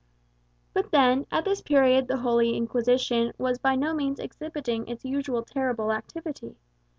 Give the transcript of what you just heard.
But then, at this period the Holy Inquisition was by no means exhibiting its usual terrible activity.